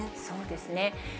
そうですね。